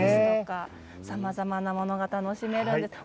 さまざまなものが楽しめるんですね。